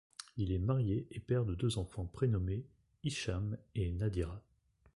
Il est marié et père de deux enfants prénommés Hicham et Nadhirat.